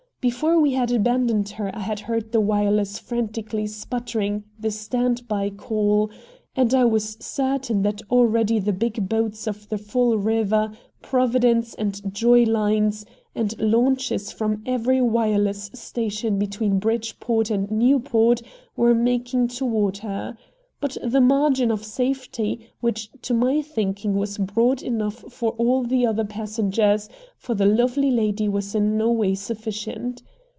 Before we had abandoned her I had heard the wireless frantically sputtering the "standby" call, and I was certain that already the big boats of the Fall River, Providence, and Joy lines, and launches from every wireless station between Bridgeport and Newport, were making toward her. But the margin of safety, which to my thinking was broad enough for all the other passengers, for the lovely lady was in no way sufficient.